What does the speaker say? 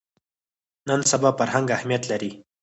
نن سبا فرهنګ اهمیت لري